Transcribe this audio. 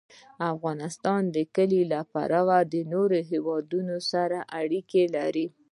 افغانستان د کلي له پلوه له نورو هېوادونو سره اړیکې لري.